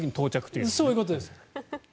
そういうことですね。